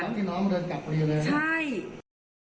เพราะว่าพี่น้องมันเดินกลับไปอยู่เลยนะ